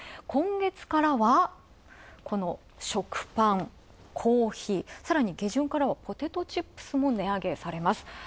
今月からは、食パン、コーヒー、さらに下旬からはポテトチップスも値上げされます。